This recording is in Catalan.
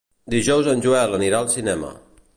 Dijous en Joel anirà al cinema.